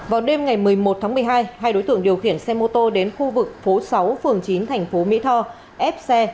vào đêm ngày một mươi một tháng một mươi hai hai đối tượng điều khiển xe mô tô đến khu vực phố sáu phường chín thành phố mỹ tho ép xe